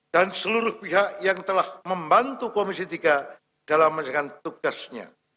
dan seluruh pihak yang telah membantu komisi tiga dalam mengejarkan tugasnya